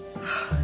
ああ。